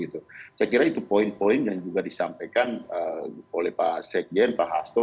saya kira itu poin poin yang juga disampaikan oleh pak sekjen pak hasto